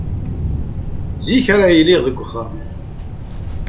Zik ara iliɣ deg uxxam.